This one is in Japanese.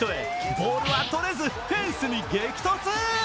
ボールはとれず、フェンスに激突。